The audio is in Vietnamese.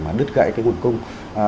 mà đứt gãy cái nguồn cung